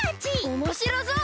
おもしろそう！